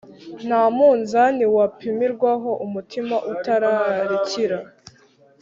nta munzani wapimirwaho umutima utararikira.